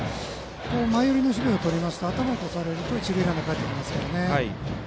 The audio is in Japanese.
前寄りの守備をとりますと頭を越されると一塁ランナーがかえってきますからね。